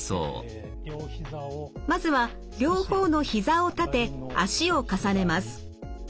まずは両方の膝を立て脚を重ねます。